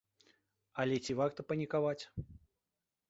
Але ці варта панікаваць?